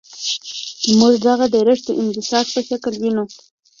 موږ دغه ډیرښت د انبساط په شکل وینو.